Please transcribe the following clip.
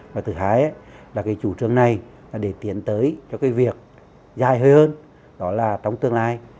và thứ hai là chủ trương này để tiến tới cho việc dài hơn đó là tổng tương lai